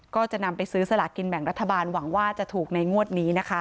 ก็จะนำไปซื้อสลากินแบ่งรัฐบาลหวังว่าจะถูกในงวดนี้นะคะ